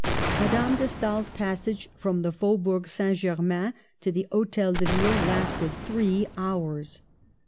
Madame de Stael's passage from the Fau bourg Saint Germain to the Hotel de Ville lasted three hours.